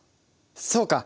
そうか！